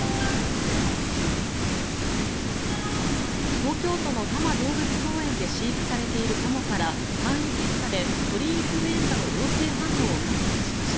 東京都の多摩動物公園で飼育されているカモから簡易検査で鳥インフルエンザの陽性反応を確認しました。